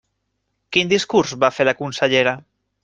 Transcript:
Quin discurs va fer la consellera?